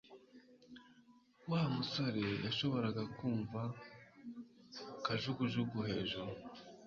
Wa musore yashoboraga kumva kajugujugu hejuru